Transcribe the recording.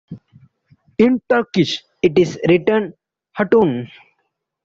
In Turkish it is written hatun.